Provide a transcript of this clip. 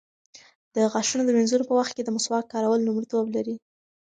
د غاښونو د مینځلو په وخت کې د مسواک کارول لومړیتوب لري.